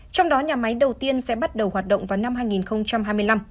trong đó nhà máy đầu tiên sẽ bắt đầu hoạt động vào năm hai nghìn hai mươi năm